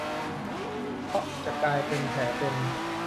เพราะจะกลายเป็นแผลเป็น